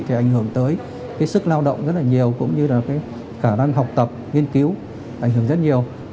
thì ảnh hưởng tới cái sức lao động rất là nhiều cũng như là cái khả năng học tập nghiên cứu ảnh hưởng rất nhiều